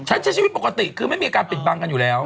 ใช้ชีวิตปกติคือไม่มีการปิดบังกันอยู่แล้ว